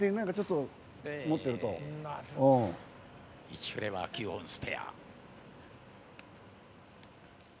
１フレは９本スペア！